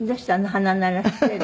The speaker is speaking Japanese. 鼻鳴らしている？」